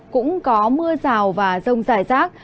cũng có mưa rào và rông dài rác